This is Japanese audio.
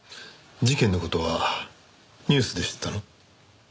事件の事はニュースで知ったの？